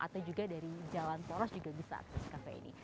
atau juga dari jalan poros juga bisa akses kafe ini